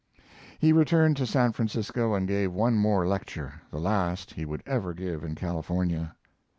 He returned to San Francisco and gave one more lecture, the last he would ever give in California.